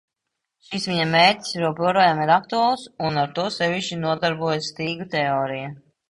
Šis viņa mērķis joprojām ir aktuāls, un ar to sevišķi nodarbojas stīgu teorija.